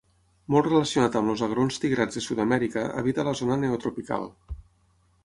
Molt relacionat amb els agrons tigrats de Sud-amèrica, habita la zona neotropical.